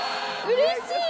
うれしい！